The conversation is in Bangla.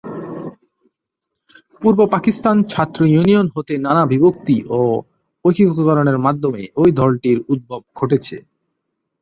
পূর্ব পাকিস্তান ছাত্র ইউনিয়ন হতে নানা বিভক্তি ও একীকরণের মাধ্যমে এই দলটির উদ্ভব ঘটেছে।